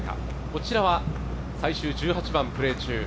こちらは最終１８番プレー中。